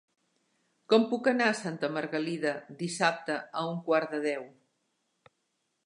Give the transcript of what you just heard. Com puc anar a Santa Margalida dissabte a un quart de deu?